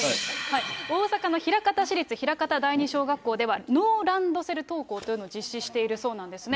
大阪市立の枚方市立枚方第二小学校ではノーランドセル登校というのを実施しているそうなんですね。